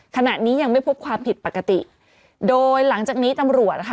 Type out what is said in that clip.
ขณะนี้ยังไม่พบความผิดปกติโดยหลังจากนี้ตำรวจนะคะ